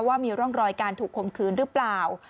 ว่ามีร่องรอยการถูกคมคืนหรือเปล่า